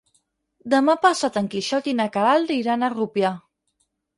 Demà passat en Quixot i na Queralt iran a Rupià.